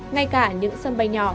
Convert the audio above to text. ngay cả những sân bay nhỏ